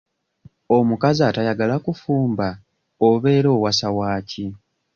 Omukazi atayagala kufumba obeera owasa waaki?